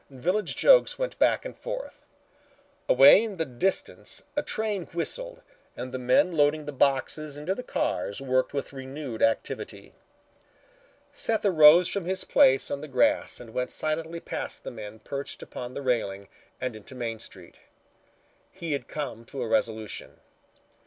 Village jokes went back and forth. Away in the distance a train whistled and the men loading the boxes into the cars worked with renewed activity. Seth arose from his place on the grass and went silently past the men perched upon the railing and into Main Street. He had come to a resolution.